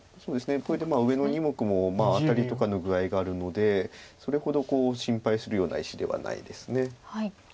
これで上の２目もアタリとかの具合があるのでそれほど心配するような石ではないです。